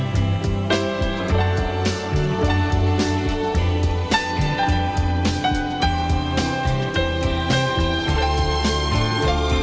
hẹn gặp lại